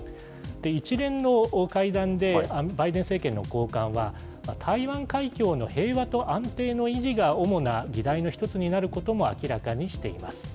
一連の会談でバイデン政権の高官は、台湾海峡の平和と安定の維持が主な議題な１つになることも明らかにしています。